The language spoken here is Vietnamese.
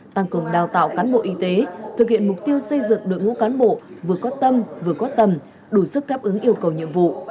tăng cường đào tạo cán bộ y tế thực hiện mục tiêu xây dựng đội ngũ cán bộ vừa có tâm vừa có tầm đủ sức đáp ứng yêu cầu nhiệm vụ